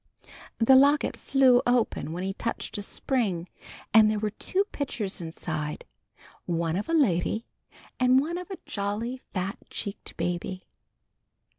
The locket flew open when he touched a spring, and there were two pictures inside. One of a lady and one of a jolly, fat cheeked baby.